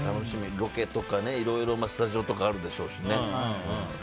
ロケとかいろいろスタジオとかあるでしょうし。